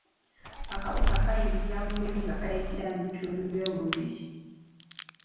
Akawuka kayingira mu mubiri nga kayitira mu bitundu by’omubiri.